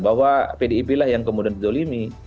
bahwa pdip lah yang kemudian didolimi